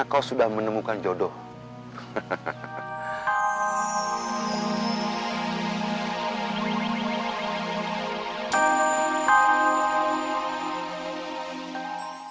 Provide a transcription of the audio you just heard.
aku tak akan bisa jumpa lagi